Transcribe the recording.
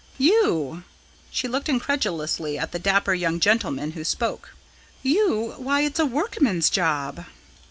"You!" She looked incredulously at the dapper young gentleman who spoke. "You why, it's a workman's job."